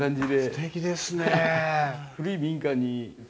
すてきですね。